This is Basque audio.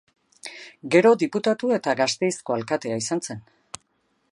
Gero diputatu eta Gasteizko alkatea izan zen.